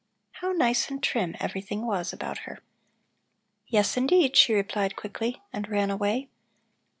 How nice and trim everything was about her! "Yes, indeed," she replied quickly, and ran away.